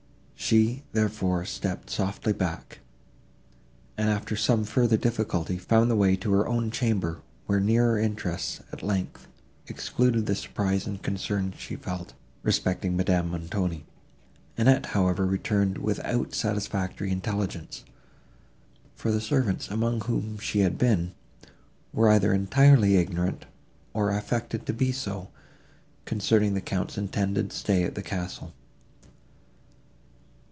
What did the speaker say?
She, therefore, stepped softly back, and, after some further difficulty, found the way to her own chamber, where nearer interests, at length, excluded the surprise and concern she had felt, respecting Madame Montoni. Annette, however, returned without satisfactory intelligence, for the servants, among whom she had been, were either entirely ignorant, or affected to be so, concerning the Count's intended stay at the castle.